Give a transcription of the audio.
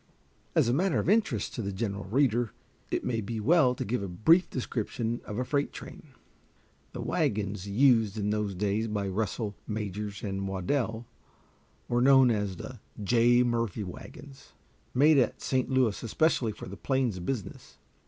As a matter of interest to the general reader, it may be well to give a brief description of a freight train. The wagons used in those days by Russell, Majors & Waddell were known as the "J. Murphy wagons," made at St. Louis especially for the plains business.